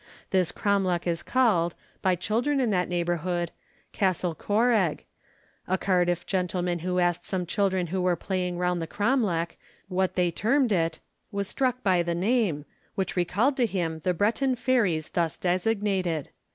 This cromlech is called, by children in that neighbourhood, 'Castle Correg.' A Cardiff gentleman who asked some children who were playing round the cromlech, what they termed it, was struck by the name, which recalled to him the Breton fairies thus designated.